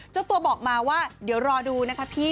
เจ้าตัวบอกมาว่าเดี๋ยวรอดูนะคะพี่